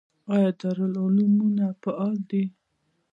آیا دارالعلومونه فعال دي؟